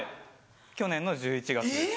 去年の１１月です。